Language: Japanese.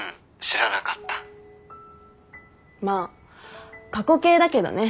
まあ過去形だけどね。